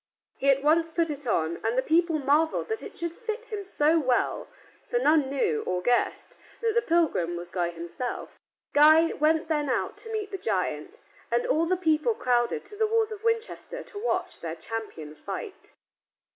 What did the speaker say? He at once put it on, and the people marveled that it should fit him so well, for none knew, or guessed, that the pilgrim was Guy himself. Guy went then out to meet the giant, and all the people crowded to the walls of Winchester to watch their champion fight.